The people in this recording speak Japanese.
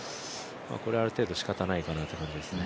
これはある程度、しかたないかなという感じですね。